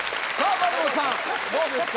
松本さんどうですか？